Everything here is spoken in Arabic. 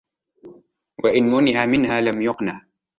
وَإِنْ مُنِعَ مِنْهَا لَمْ يَقْنَعْ